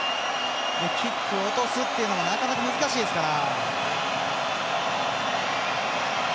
キックを落とすというのもなかなか、難しいですから。